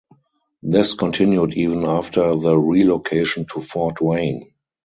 This continued even after the relocation to Fort Wayne.